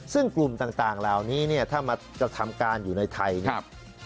ซึ่งกลุ่มต่างเหล่านี้เนี่ยถ้ามากระทำการอยู่ในไทยเนี่ย